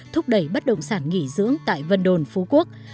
thúc đẩy bất động sản nghỉ dưỡng tại vân đồn phú quốc